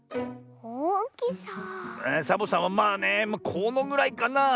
サボさんはまあねこのぐらいかなあ。